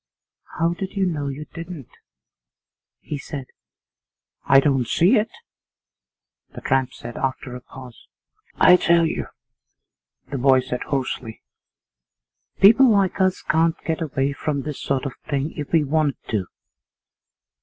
'How do you know you didn't?' he said. 'I don't see it,' the tramp said, after a pause. 'I tell you,' the boy said hoarsely, 'people like us can't get away from this sort of thing if we want to.